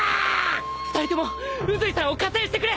２人とも宇髄さんを加勢してくれ。